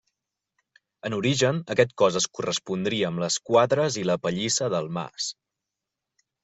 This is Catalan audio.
En origen, aquest cos es correspondria amb les quadres i la pallissa del mas.